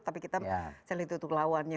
tapi kita selalu ditutup lawannya